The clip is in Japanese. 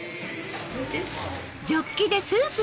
おいしい？